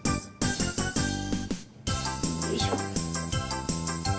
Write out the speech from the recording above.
よいしょ。